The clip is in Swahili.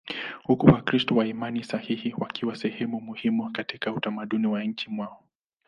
huku Wakristo wa imani sahihi wakiwa kama sehemu muhimu katika utamaduni wa nchini mwao.